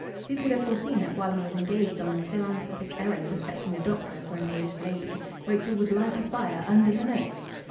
Who could have foreseen that while he was engaged on the philanthropic errand of fetching a doctor for an aged lady Rachel would light a fire under the notes?...